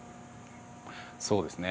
そうですね。